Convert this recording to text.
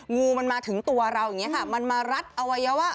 งูมันมาถึงตัวเราอย่างเงี้ยค่ะมันมารัดเอาไว้อย่างว่า